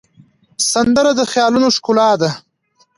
سندره د خیالونو ښکلا ده